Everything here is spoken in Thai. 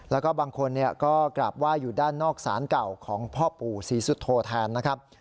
แล้วก็บางคนก็กราบไหว้อยู่ด้านนอกศาลเก่าของพ่อปู่ศรีสุโธแทนนะครับ